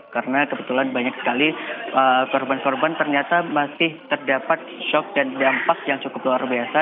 karena kebetulan banyak sekali korban korban ternyata masih terdapat shock dan dampak yang cukup luar biasa